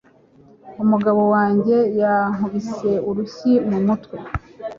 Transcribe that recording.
Umugabo wanjye yankubise urushyi mu mutwe.